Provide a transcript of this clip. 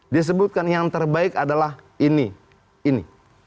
dia sebutkan yang terbaik adalah ini ini